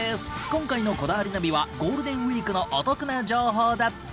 今回の『こだわりナビ』はゴールデンウィークのお得な情報だって！